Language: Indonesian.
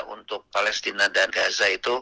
untuk palestina dan gaza itu